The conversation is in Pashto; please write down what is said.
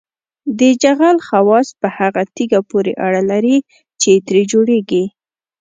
د جغل خواص په هغه تیږه پورې اړه لري چې ترې جوړیږي